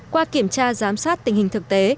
qua kiểm tra giám sát tình hình thực tế